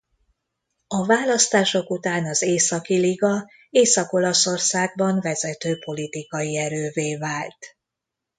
A választások után az Északi Liga Észak-Olaszországban vezető politikai erővé vált.